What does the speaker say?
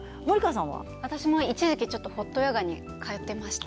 私も一時期ホットヨガに通っていました。